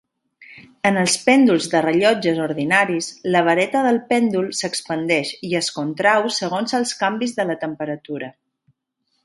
En els pènduls de rellotges ordinaris, la vareta del pèndul s'expandeix i es contrau segons els canvis de la temperatura.